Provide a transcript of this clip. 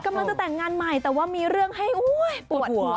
กำลังจะแต่งงานใหม่แต่ว่ามีเรื่องให้ปวดหัว